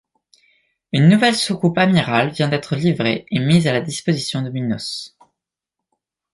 Une nouvelle soucoupe amirale vient d'être livrée et mise à la disposition de Minos.